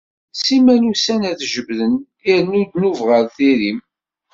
Simmal ussan ad t-jebbden, irennu dnub ɣer tiri-m.